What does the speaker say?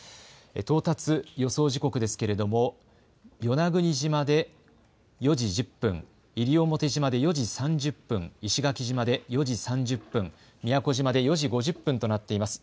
到達予想時刻ですけれども、与那国島で４時１０分、西表島で４時３０分、石垣島で４時３０分、宮古島で４時５０分となっています。